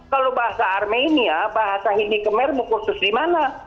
kalau bahasa armenia bahasa hindi khmer mau kursus di mana